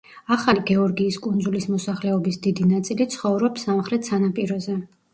ახალი გეორგიის კუნძულის მოსახლეობის დიდი ნაწილი ცხოვრობს სამხრეთ სანაპიროზე.